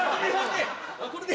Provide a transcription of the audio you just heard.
これで。